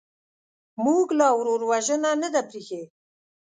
موږ لا ورور وژنه نه ده پرېښې.